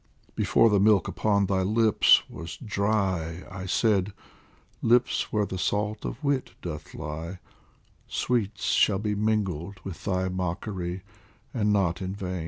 Before the milk upon thy lips was dry, I said :" Lips where the salt of wit doth lie, Sweets shall be mingled with thy mockery, And not in vain